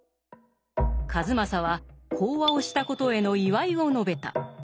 数正は講和をしたことへの祝いを述べた。